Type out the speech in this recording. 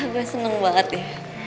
gue seneng banget ya